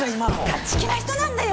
勝ち気な人なんだよ。